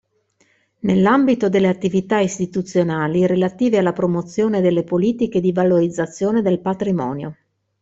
Nell'ambito delle attività istituzionali relative alla promozione delle politiche di valorizzazione del patrimonio.